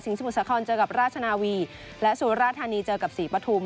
สมุทรสาครเจอกับราชนาวีและสุราธานีเจอกับศรีปฐุม